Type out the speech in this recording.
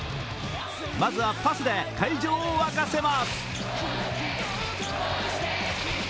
まずはパスで会場を沸かせます。